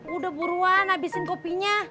udah buruan habisin kopinya